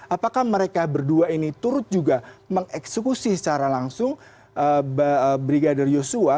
apakah mereka berdua ini turut juga mengeksekusi secara langsung brigadir yosua